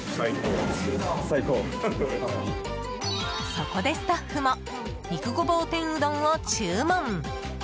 そこでスタッフも肉ごぼう天うどんを注文。